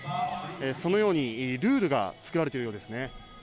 そのようにルールが作られているようですね。